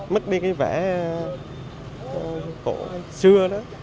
mất đi cái vẻ cổ xưa đó